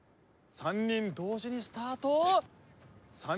３人同時にスタート。